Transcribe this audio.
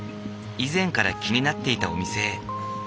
以前から気になっていたお店へ。